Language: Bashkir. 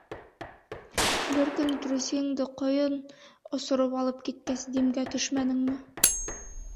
Бер көн трусигыңды ҡойон осороп алып киткәс, Димгә төшмәнеңме?